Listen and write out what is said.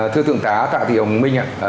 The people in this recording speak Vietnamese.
thưa thượng tá tạ thị hồng minh ạ